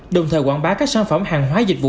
đồng thời quảng bá các sản phẩm hàng hóa dịch vụ